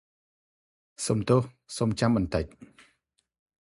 សុំទោស សូមចាំបន្តិច ។